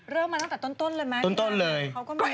เริ่มมาตั้งแต่ต้นเลยมั้ยครับต้นเลย